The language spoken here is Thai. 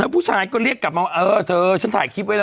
ผู้ชายก็เรียกกลับมาว่าเออเธอฉันถ่ายคลิปไว้ล่ะ